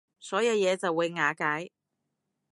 所有嘢就會瓦解